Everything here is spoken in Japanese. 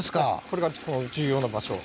これが重要な場所。